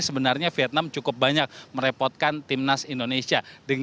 sebenarnya vietnam cukup banyak merepotkan timnas indonesia